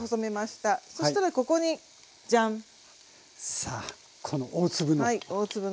さあこの大粒の。